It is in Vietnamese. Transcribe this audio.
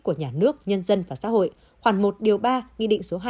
của nhà nước nhân dân và xã hội khoảng một ba hai trăm linh tám hai nghìn một mươi ba